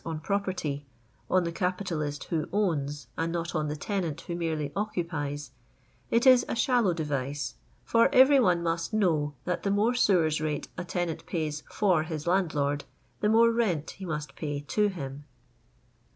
on property — on the capitalist who owns, and not on the tenant who merely occupies — ^it is a shallow device, for every one must know that the more aewers rate a tenant pays for his landlord, the more rent he must pay to him.